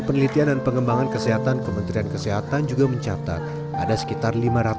penelitian dan pengembangan kesehatan kementerian kesehatan juga mencatat ada sekitar